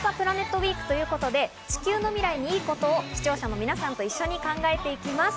ウィークということで地球の未来にいいことを視聴者の皆さんと一緒に考えていきます。